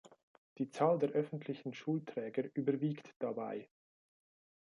Die Zahl der öffentlichen Schulträger überwiegt dabei.